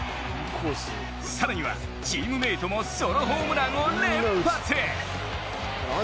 更にはチームメートもソロホームランを連発。